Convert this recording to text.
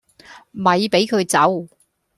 咪俾佢走